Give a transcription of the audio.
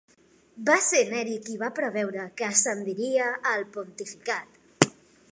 Va ser Neri qui va preveure que ascendiria al pontificat.